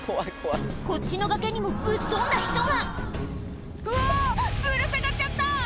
こっちの崖にもぶっ飛んだ人がうわぶら下がっちゃった！